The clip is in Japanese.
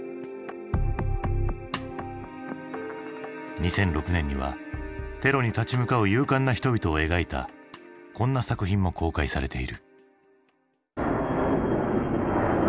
２００６年にはテロに立ち向かう勇敢な人々を描いたこんな作品も公開されている。